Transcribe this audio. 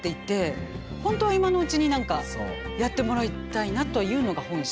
本当は今のうちに何かやってもらいたいなというのが本心。